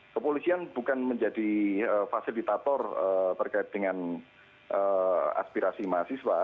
kepolisian bukan menjadi fasilitator berkait dengan aspirasi mahasiswa